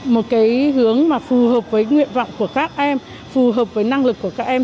một cái hướng mà phù hợp với nguyện vọng của các em phù hợp với năng lực của các em